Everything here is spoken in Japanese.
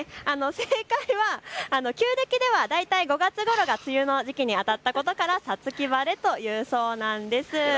正解は旧暦では大体５月ごろが梅雨の時期にあたったことから五月晴れというそうなんです。